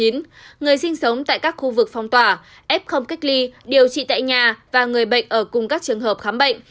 người sinh sống tại các khu vực phong tỏa f cách ly điều trị tại nhà và người bệnh ở cùng các trường hợp khám bệnh